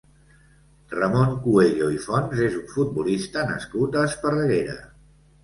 Ramon Cuello i Fonts és un futbolista nascut a Esparreguera.